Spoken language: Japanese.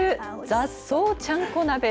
雑草ちゃんこ？